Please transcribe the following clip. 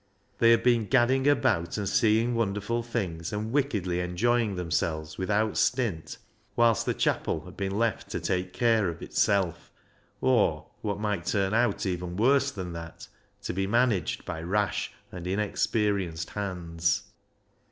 They had been gadding about and seeing wonderful things, and wickedly enjoying themselves with out stint, whilst the chapel had been left to take care of itself— or what might turn out even worse than that, to be managed by rash and inexperienced hands.